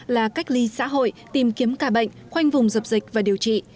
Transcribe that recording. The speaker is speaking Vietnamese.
là cách ly xã hội tìm kiếm ca bệnh khoanh vùng dập dịch và điều trị